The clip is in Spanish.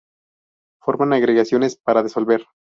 Forman agregaciones para desovar.